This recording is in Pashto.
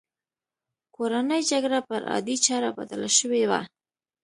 کورنۍ جګړه پر عادي چاره بدله شوې وه.